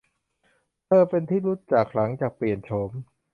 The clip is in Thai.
เธอเป็นที่รู้จักหลังจากเปลี่ยนโฉม